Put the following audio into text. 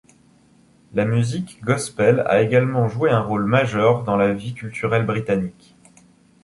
La musique Gospel a également joué un rôle majeur dans la vie culturelle britannique.